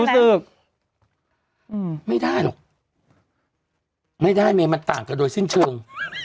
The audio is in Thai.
อืมไม่ได้หรอกไม่ได้มีมันต่างกับโดยสิ้นเชิง